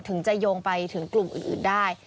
จะโยงไปถึงกลุ่มอื่นได้